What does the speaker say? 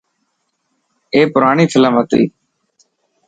اي پراڻي فلم هتي.